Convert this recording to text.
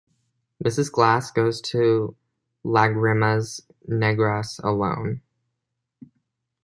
Mrs. Glass goes to Lagrimas Negras alone.